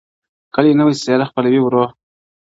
کلي نوې څېره خپلوي ورو,